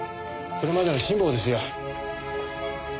それまでの辛抱ですよ。